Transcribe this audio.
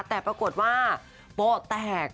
แต่ปรากฏว่าโป๊ะแตก